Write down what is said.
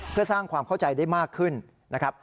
เพื่อสร้างความเข้าใจได้มากขึ้นนะครับ